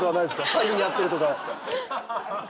詐欺に遭ってるとか。